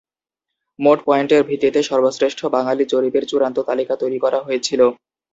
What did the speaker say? মোট পয়েন্টের ভিত্তিতে, সর্বশ্রেষ্ঠ বাঙালি জরিপের চূড়ান্ত তালিকা তৈরি করা হয়েছিল।